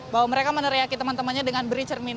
bahwa mereka meneriaki teman temannya dengan beri cermin